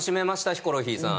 ヒコロヒーさん。